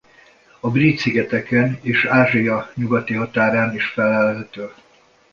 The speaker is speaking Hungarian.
A Brit-szigeteken és Ázsia nyugati határán is fellelhető.